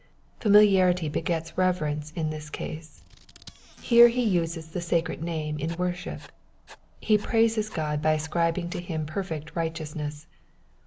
Familiarity begets reverence in this case. Here he uses the sacred name in worship. He praises God by ascribing to him perfect righteousness.